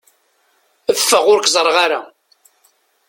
Ffeɣ ur k-ẓerreɣ ara!